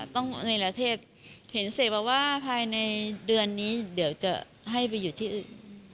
ต้องในลักษณ์เศรษฐ์เห็นเสียบว่าภายในเดือนนี้เดี๋ยวจะให้ไปอยู่ที่อื่น